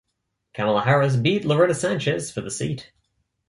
Kamala Harris beat Loretta Sanchez for the seat.